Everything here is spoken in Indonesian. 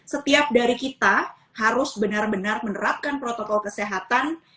setiap dari kita harus benar benar menerapkan protokol kesehatan